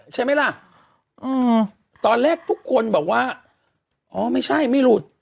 ใช่ไหมล่ะอืมตอนแรกทุกคนบอกว่าอ๋อไม่ใช่ไม่หลุด